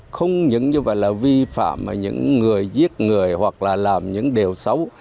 không những như vậy là vi phạm những người giết người hoặc là làm những điều xấu